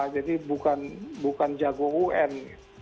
jadi bukan jago un